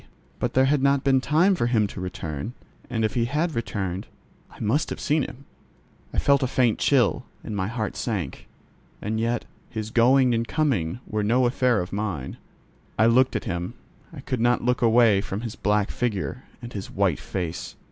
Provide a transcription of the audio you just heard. But there had not been time for him to return, and if he had returned, I must have seen him. I felt a faint chill, and my heart sank; and yet, his going and coming were no affair of mine. I looked at him: I could not look away from his black figure and his white face.